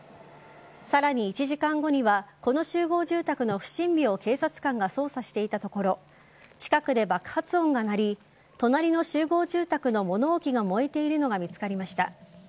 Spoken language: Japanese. さらに１時間後にはこの集合住宅の不審火を警察官が捜査していたところ近くで爆発音が鳴り隣の集合住宅の物置が燃えているのが見つかりました。